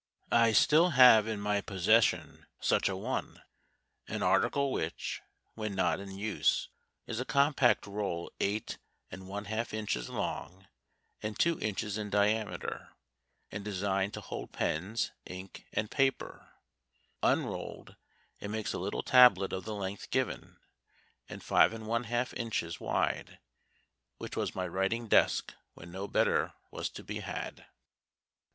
I still have in my possession such a one, an article which, when not in use, is a compact roll eight and A IIAVEKSAOK AND DIPPER. SOME INVENTIONS AND DEVICES OF THE WAR. O^J^J oiie lialf inches long and two inclies in diameter, and de signed to hold pens, ink, and paper. Unrolled, it makes a little tablet of the length given and five and one half inches wide, which was my writing desk when no better was to be had.